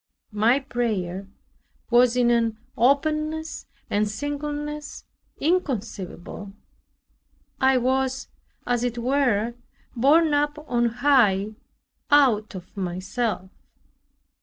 My prayer was in an openness and singleness inconceivable. I was, as it were, borne up on high, out of myself.